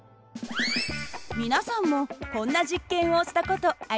皆さんもこんな実験をした事ありませんか？